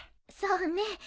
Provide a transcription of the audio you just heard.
そうね